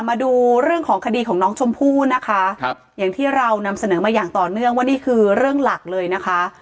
มาดูเรื่องของคดีของน้องชมพู่นะคะครับอย่างที่เรานำเสนอมาอย่างต่อเนื่องว่านี่คือเรื่องหลักเลยนะคะ